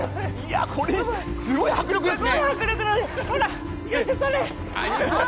これ、すごい迫力ですね。